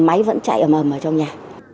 mà máy vẫn chạy ầm ầm ở trong nhà